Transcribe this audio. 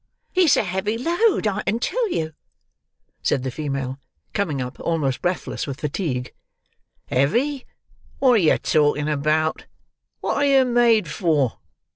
"It's a heavy load, I can tell you," said the female, coming up, almost breathless with fatigue. "Heavy! What are yer talking about? What are yer made for?"